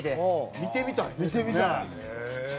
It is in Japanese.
見てみたいね。